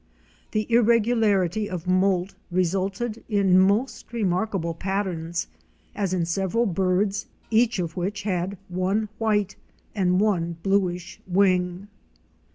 The irregularity of moult resulted in most remark able patterns, as in several birds, each of which had one white and one bluish wing.